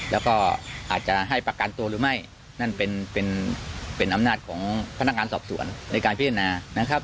แล้วก็อาจจะให้ประกันตัวหรือไม่นั่นเป็นเป็นอำนาจของพนักงานสอบสวนในการพิจารณานะครับ